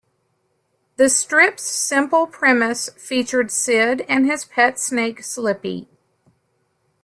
The strip's simple premise featured Sid and his pet snake Slippy.